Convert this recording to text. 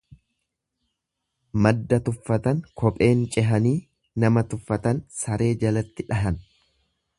Madda tuffatan kopheen cehanii, nama tuffatan saree jalatti dhahan.